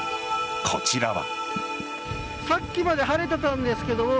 こちらは。